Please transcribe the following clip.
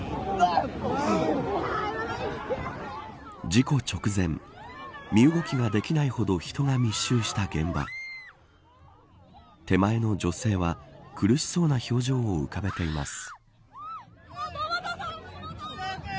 事故直前、身動きができないほど人が密集した現場手前の女性は苦しそうな表情を浮かべています。